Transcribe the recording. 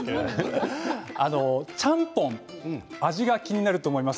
ちゃんぽんの味が気になると思います。